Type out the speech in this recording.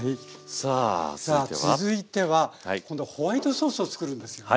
さあ続いては今度はホワイトソースを作るんですよね。